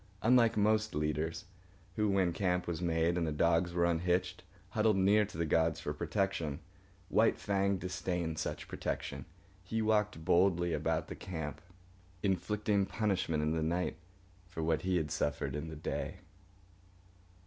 Unlike most leaders, who, when camp was made and the dogs were unhitched, huddled near to the gods for protection, White Fang disdained such protection. He walked boldly about the camp, inflicting punishment in the night for what he had suffered in the day.